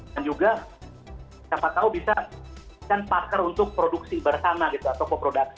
dan juga siapa tahu bisa ikan parker untuk produksi bersama gitu atau koproduksi